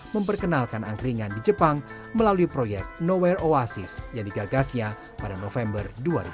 memperkenalkan angkringan di jepang melalui proyek noware oasis yang digagasnya pada november dua ribu dua